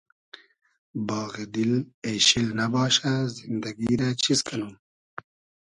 باغی دیل اېشیل نئباشۂ زیندئگی رۂ چیز کئنوم